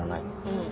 うん。